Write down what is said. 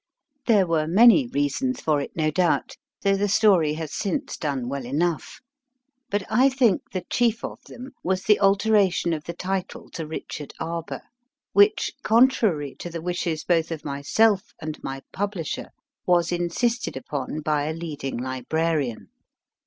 There were many reasons for it, no doubt, though the story has since done well enough, but I think the chief of them was the alteration of the title to Richard Arbour, which, contrary to the wishes both of myself and my JAMES FAYN 2 5 publisher, was insisted upon by a leading librarian.